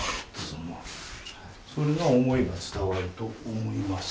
それが思いが伝わると思います。